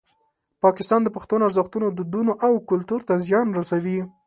پاکستان د پښتنو ارزښتونه، دودونه او کلتور ته زیان رسوي.